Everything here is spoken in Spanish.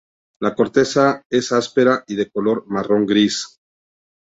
La corteza es áspera y de color marrón gris.